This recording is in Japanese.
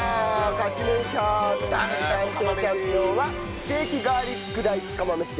勝ち抜いた！という事で暫定チャンピオンはステーキガーリックライス釜飯です。